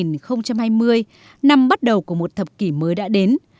năm hai nghìn hai mươi năm bắt đầu của một thập kỷ mới đã đến